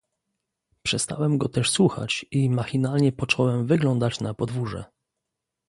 "Przestałem go też słuchać i machinalnie począłem wyglądać na podwórze."